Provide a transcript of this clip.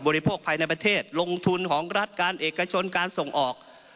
โภคภายในประเทศลงทุนของรัฐการเอกชนการส่งออก